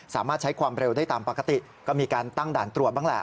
สามารถใช้ความเร็วได้ตามปกติก็มีการตั้งด่านตรวจบ้างแหละ